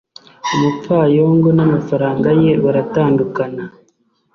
umupfayongo n'amafaranga ye baratandukana